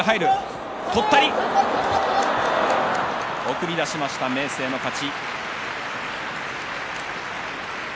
送り出しました明生の勝ち。